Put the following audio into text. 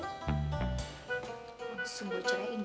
langsung gue ceraiin dia